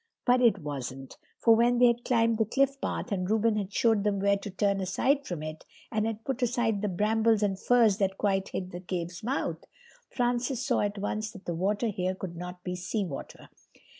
But it wasn't. For when they had climbed the cliff path and Reuben had shown them where to turn aside from it, and had put aside the brambles and furze that quite hid the cave's mouth, Francis saw at once that the water here could not be seawater.